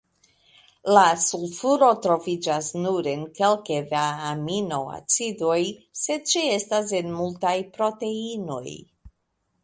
La sulfuro troviĝas nur en kelke da aminoacidoj, sed ĉeestas en multaj proteinoj.